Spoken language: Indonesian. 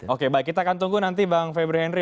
oke baik kita akan tunggu nanti bang febri henry